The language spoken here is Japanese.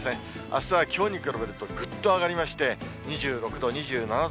あすはきょうに比べるとぐっと上がりまして、２６度、２７度、２８度。